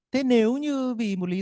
thế nếu như vì một lúc đó